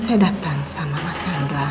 saya datang sama mas chandra